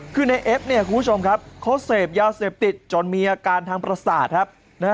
คือในเอฟเนี่ยคุณผู้ชมครับเขาเสพยาเสพติดจนมีอาการทางประสาทครับ